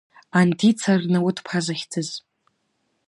Анҭица Арнауҭԥҳа захьӡыз.